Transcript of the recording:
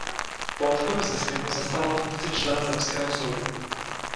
Po odchodu ze sněmu zastával funkci člena zemského soudu.